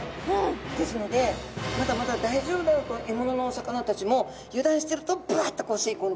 ですのでまだまだ大丈夫だと獲物のお魚たちも油断してるとブワッとこう吸い込んで食べちゃうわけですね。